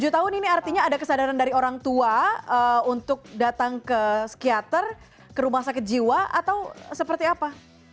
tujuh tahun ini artinya ada kesadaran dari orang tua untuk datang ke psikiater ke rumah sakit jiwa atau seperti apa